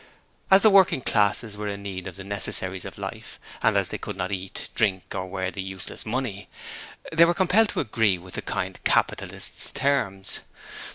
As the working classes were in need of the necessaries of life and as they could not eat, drink or wear the useless money, they were compelled to agree to the kind Capitalist's terms.